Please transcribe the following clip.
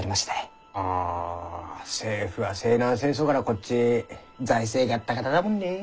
あ政府は西南戦争からこっち財政ガッタガタだもんね。